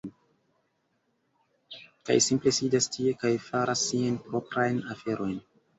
Kaj simple sidas tie kaj faras siajn proprajn aferojn...